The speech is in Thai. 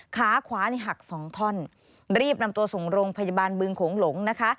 ขาขวานี่หักสองท่อนรีบนำตัวส่งโรงพยาบาลบึงโขงหลงนะคะ